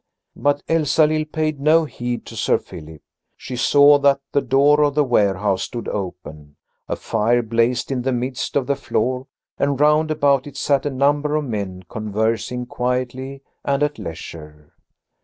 But Elsalill paid no heed to Sir Philip. She saw that the door of the warehouse stood open. A fire blazed in the midst of the floor and round about it sat a number of men conversing quietly and at leisure.